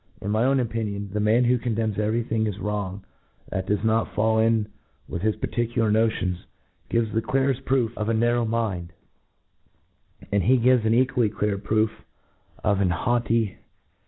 In my own opinion, the man who condemns every thing as wrong that does not fall in with his particular notions, gives the cleareft proof of a narrow mind ; j^nd he gives an equally clear proof of an haughty, arrogant.